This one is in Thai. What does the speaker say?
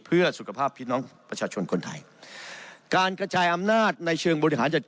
เพื่อสุขภาพพี่น้องประชาชนคนไทยการกระจายอำนาจในเชิงบริหารจัด